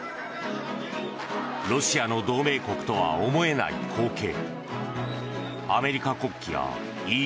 ロシアの同盟国とは思えない光景。